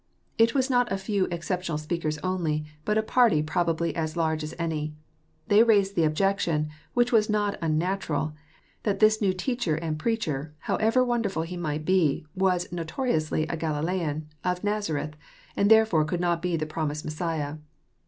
It was not a few exception al speakers only, but a party probably as large as any. They palsed the objection, which was not unnatural, that this new teacher and preacher, however wonderful He might be, was notoriously a Galilean, of Nazareth, and therefore could not be the promised Messiah.